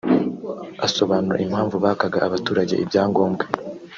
Asobanura impamvu bakaga abaturage ibyangombwa